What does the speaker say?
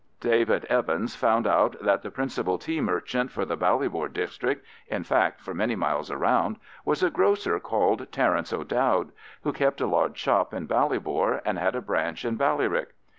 David Evans found out that the principal tea merchant for the Ballybor district—in fact, for many miles round—was a grocer called Terence O'Dowd, who kept a large shop in Ballybor, and had a branch in Ballyrick.